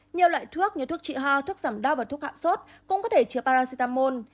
nhiều loại thuốc như thuốc trị ho thuốc giảm đau và thuốc hạ sốt cũng có thể chứa paracetamol